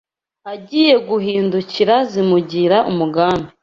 Agiye guhindukira zimugira umugambi